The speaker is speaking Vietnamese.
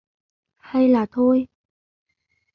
Hay là thôi...